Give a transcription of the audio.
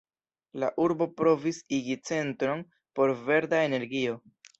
La urbo provis igi centron por verda energio.